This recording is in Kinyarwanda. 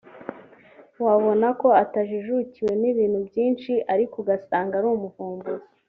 wabona ko atajijukiwe n’ibintu byinshi ariko ugasanga ari umuvumbuzi